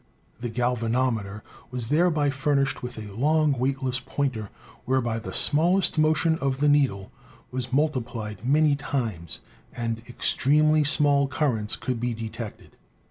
The gal vanometer was thereby furnished with a long weightless pointer, whereby the smallest motion of the needle was multiplied many times, and extremely small currents could be detected.